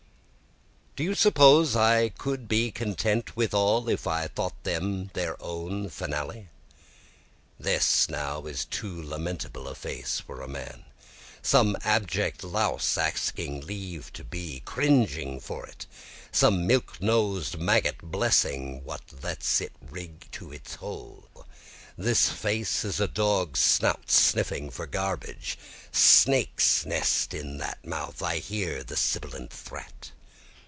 2 Do you suppose I could be content with all if I thought them their own finale? This now is too lamentable a face for a man, Some abject louse asking leave to be, cringing for it, Some milk nosed maggot blessing what lets it wrig to its hole. This face is a dog's snout sniffing for garbage, Snakes nest in that mouth, I hear the sibilant threat.